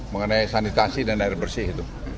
mengenai sanitasi dan air bersih itu